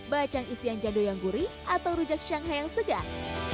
bacang isian jadul yang gurih atau rujak shanghai yang segar